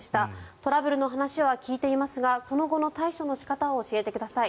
トラブルの話は聞いていますがその後の対処の仕方を教えてください。